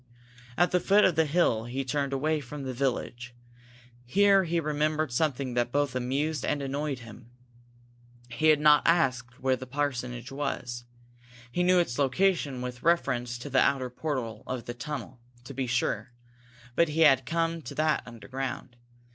At the foot of the hill he turned away from the village. Here he remembered something that both amused and annoyed him. He had not asked just where the parsonage was. He knew its location with reference to the outer portal of the tunnel, to be sure, but he had come to that underground.